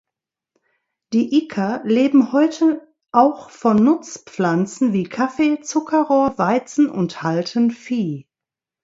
Die Ika leben heute auch von Nutzpflanzen wie Kaffee, Zuckerrohr, Weizen und halten Vieh.